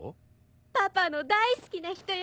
パパの大好きな人よ。